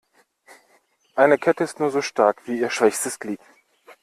Eine Kette ist nur so stark wie ihr schwächstes Glied.